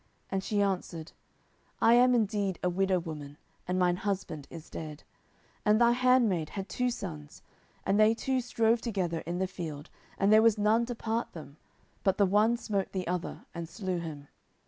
And she answered, I am indeed a widow woman, and mine husband is dead. 10:014:006 And thy handmaid had two sons, and they two strove together in the field, and there was none to part them, but the one smote the other, and slew him.